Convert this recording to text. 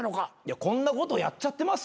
こんなことやっちゃってます